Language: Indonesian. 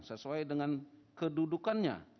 sesuai dengan kedudukannya